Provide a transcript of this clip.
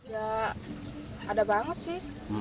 ya ada banget sih